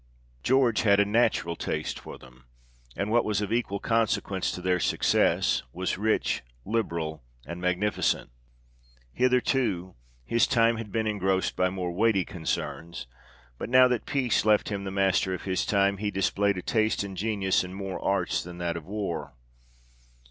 George had a natural taste for them ; and what was of equal consequence to their success, was rich, liberal, and magnificent. Hitherto his time had been engrossed by more weighty concerns ; but now that peace left him the master of his time, he displayed a taste and genius in more arts than that of war.